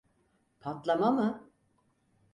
Patlama mı?